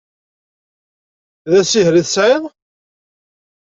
D asiher i tesεiḍ?